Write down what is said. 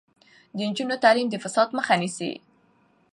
د نجونو تعلیم د فساد مخه نیسي.